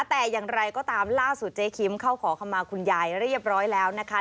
แต่อย่างไรก็ตามล่าสุดเจ๊คิมเข้าขอขมาคุณยายเรียบร้อยแล้วนะคะ